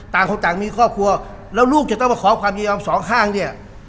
ต่างคนต่างมีครอบครัวแล้วลูกจะต้องมาขอความยินยอมสองข้างเนี่ย